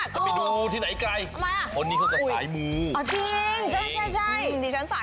แกไปดูที่ไหนไกลคนนี้เค้ากับสายหมูทำไมล่ะ